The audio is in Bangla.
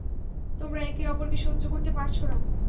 তোমরা একে অপরকে সহ্য করতে পারছ না।